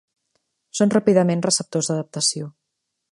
Són ràpidament receptors d'adaptació.